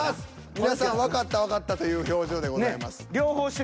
皆さんわかったわかったという表情でございます。